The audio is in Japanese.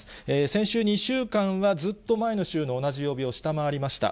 先週２週間は、ずっと前の週の同じ曜日を下回りました、